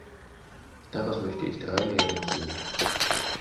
Daraus möchte ich drei Lehren ziehen.